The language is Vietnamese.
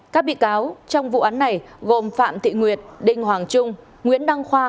các bị cáo trong vụ án này gồm phạm thị nguyệt đinh hoàng trung nguyễn đăng khoa